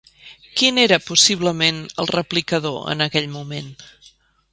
Quin era possiblement el replicador en aquell moment?